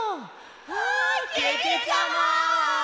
わけけちゃま！